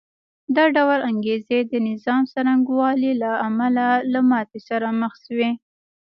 دا ډول انګېزې د نظام څرنګوالي له امله له ماتې سره مخ شوې